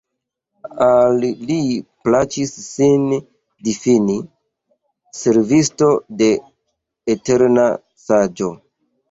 Al li plaĉis sin difini «Servisto de eterna Saĝo».